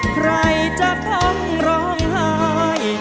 ใครจะต้องร้องหาย